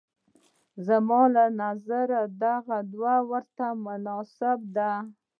زما له نظره دغه دوا ورته مناسبه ده.